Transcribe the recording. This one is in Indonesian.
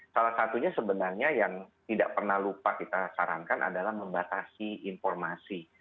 salah satunya sebenarnya yang tidak pernah lupa kita sarankan adalah membatasi informasi